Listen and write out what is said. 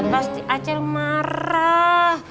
pasti acer marah